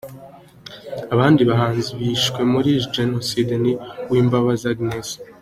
Abandi bahanzi bishwe muri Jenoside ni: Uwimbabazi Agnes,.